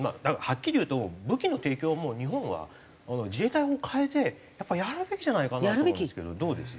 はっきり言うと武器の提供も日本は自衛隊法を変えてやっぱやるべきじゃないかなと思うんですけどどうです？